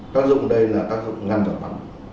tác dụng đây là tác dụng ngăn giảm bắn